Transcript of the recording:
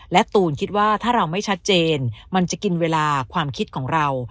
และตูนคิดว่าถ้าเราไม่ชัดเจนมันจะกินเวลาความคิดของเรา